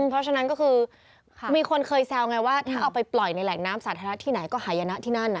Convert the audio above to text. เพราะฉะนั้นก็คือมีคนเคยแซวไงว่าถ้าเอาไปปล่อยในแหล่งน้ำสาธารณะที่ไหนก็หายนะที่นั่น